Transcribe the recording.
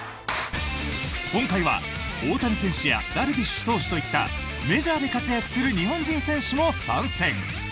今回は、大谷選手やダルビッシュ投手といったメジャーで活躍する日本人選手も参戦。